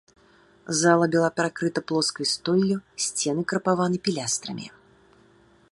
Зала была перакрыта плоскай столлю, сцены крапаваны пілястрамі.